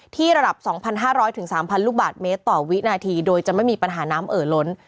ระดับ๒๕๐๐๓๐๐ลูกบาทเมตรต่อวินาทีโดยจะไม่มีปัญหาน้ำเอ่อล้น